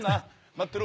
待ってろ。